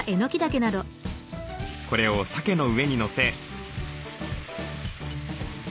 これをさけの上にのせ。